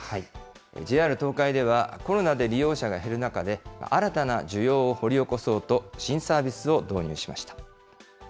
ＪＲ東海では、コロナで利用者が減る中で、新たな需要を掘り起こそうと、新サービスを導入しました。